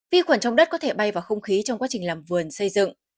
vi khuẩn trong đất có thể bay vào không khí trong quá trình làm vườn xây dựng